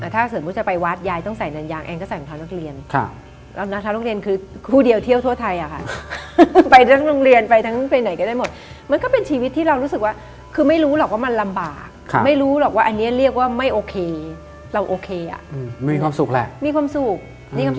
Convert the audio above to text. ถ้าสมมุติจะไปวัดยายต้องใส่เนินยางเองก็ใส่รองเท้านักเรียนแล้วนะคะโรงเรียนคือคู่เดียวเที่ยวทั่วไทยอะค่ะไปทั้งโรงเรียนไปทั้งไปไหนก็ได้หมดมันก็เป็นชีวิตที่เรารู้สึกว่าคือไม่รู้หรอกว่ามันลำบากไม่รู้หรอกว่าอันนี้เรียกว่าไม่โอเคเราโอเคอ่ะมีความสุขแหละมีความสุขมีความสุข